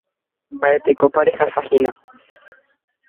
Mba'etekópa rehasahína.